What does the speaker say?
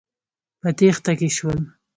په تېښته کې شول.